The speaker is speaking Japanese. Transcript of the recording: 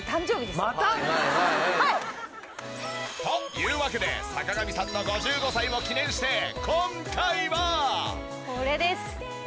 というわけで坂上さんの５５歳を記念して今回は！これです。